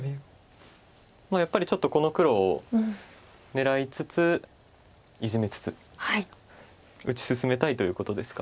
やっぱりちょっとこの黒を狙いつつイジメつつ打ち進めたいということですか。